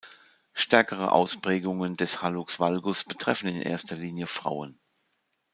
Stärkere Ausprägungen des "Hallux valgus" betreffen in erster Linie Frauen.